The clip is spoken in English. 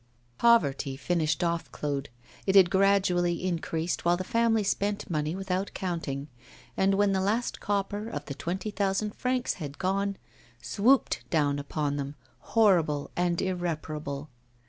Poverty finished off Claude. It had gradually increased, while the family spent money without counting; and, when the last copper of the twenty thousand francs had gone, it swooped down upon them horrible and irreparable.